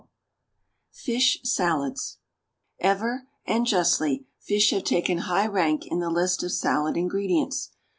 _" FISH SALADS. Ever, and justly, fish have taken high rank in the list of salad ingredients.